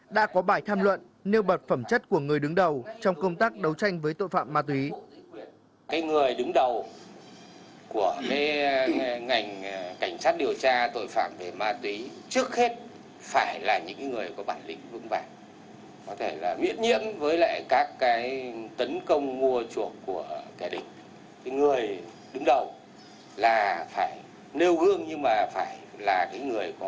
đã có bài tham luận nêu bật phẩm chất của người đứng đầu trong công tác đấu tranh với tội phạm ma túy